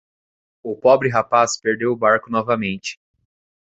O pobre rapaz perdeu o barco novamente.